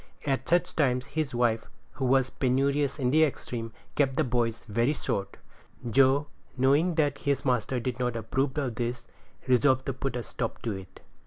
At such times his wife, who was penurious in the extreme, kept the boys very short. Joe, knowing that his master did not approve of this, resolved to put a stop to it.